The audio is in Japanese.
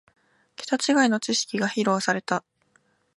ケタ違いの知識が披露された